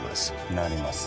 なりますね。